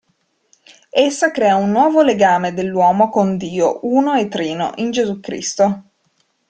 Essa crea un nuovo legame dell'uomo con Dio uno e trino, in Gesù Cristo.